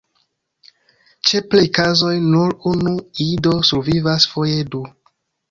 Ĉe plej kazoj nur unu ido survivas, foje du.